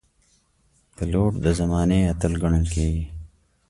پیلوټ د زمانې اتل ګڼل کېږي.